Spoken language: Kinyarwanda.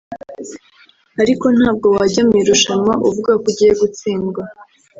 ariko ntabwo wajya mu irushanwa uvuga ko ugiye gutsindwa